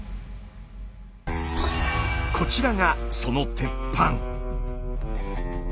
こちらがその鉄板。